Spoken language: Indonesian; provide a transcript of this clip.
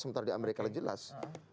sementara di amerika jelas